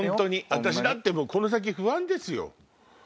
私だってこの先不安ですよ。